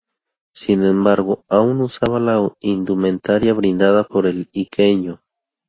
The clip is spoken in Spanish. Sin embargo, aun usaba la indumentaria brindada por el Iqueño.